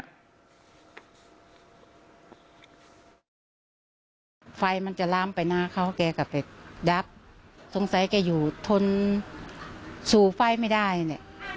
ไฟมันจะลามไปหน้าเขาแกก็ไปดับสงสัยแกอยู่ทนสู่ไฟไม่ได้เนี่ย